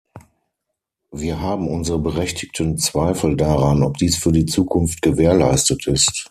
Wir haben unsere berechtigten Zweifel daran, ob dies für die Zukunft gewährleistet ist.